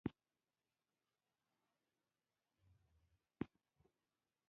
په هدیره کې یو نوی قبر ښخ شو.